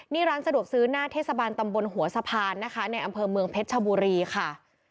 นี่ร้านสะดวกซื้อหน้าเทศบาลตำบลหัวสะพานนะคะในอำเภอเมืองเพชรชบุรีค่ะ